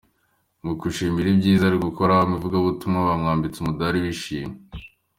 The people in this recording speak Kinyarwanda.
Mu kumushimira ibyiza ari gukora mu ivugabutumwa, bamwambitse umudari w’ishimwe.